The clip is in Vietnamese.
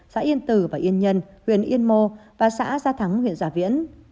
xã yên tử và yên nhân huyện yên mô và xã gia thắng huyện gia viễn